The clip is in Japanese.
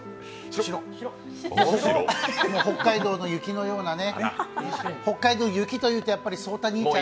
北海道の雪のようなね、北海道の雪という草太兄ちゃん